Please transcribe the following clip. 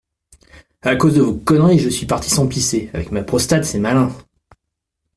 À cause de vos conneries, je suis parti sans pisser, avec ma prostate c’est malin.